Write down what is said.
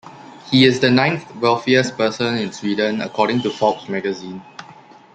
He is the ninth wealthiest person in Sweden, according to "Forbes" magazine.